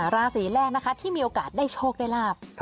ราศีแรกนะคะที่มีโอกาสได้โชคได้ลาบ